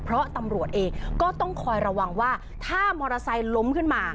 เพราะตำรวจเองก็ต้องคอยระวังว่าถ้ามอเตอร์ไซค์ล้มขึ้นมา